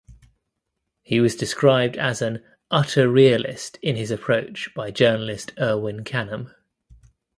He was described as an "utter realist" in his approach by journalist Erwin Canham.